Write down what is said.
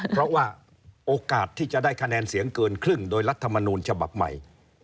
เพราะว่าโอกาสที่จะได้คะแนนเสียงเกินครึ่งโดยรัฐมนูลฉบับใหม่